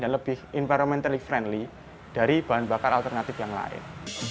dan lebih environmentally friendly dari bahan bakar alternatif yang lain